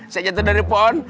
saya jatuh dari pohon